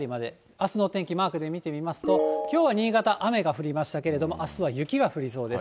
あすの天気、マークで見てみますと、きょうは新潟、雨が降りましたけれども、あすは雪が降りそうです。